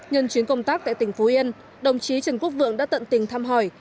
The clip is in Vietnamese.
nhân chuyến công tác tại tỉnh phú yên đồng chí trần quốc vượng đã tận tình thăm hỏi